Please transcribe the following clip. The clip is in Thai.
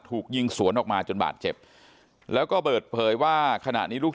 ถูกยิงสวนออกมาจนบาดเจ็บแล้วก็เปิดเผยว่าขณะนี้ลูก